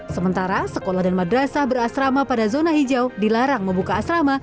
sementara sekolah dan madrasah berasrama pada zona hijau dilarang membuka asrama